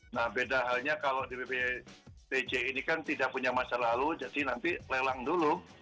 nah beda halnya kalau di bppj ini kan tidak punya masa lalu jadi nanti lelang dulu